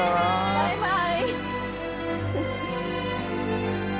バイバイ！